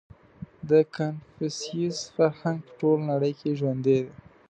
• د کنفوسیوس فرهنګ په ټوله نړۍ کې ژوندی دی.